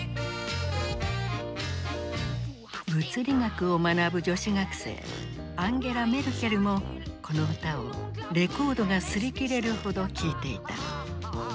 物理学を学ぶ女子学生アンゲラ・メルケルもこの歌をレコードが擦り切れるほど聴いていた。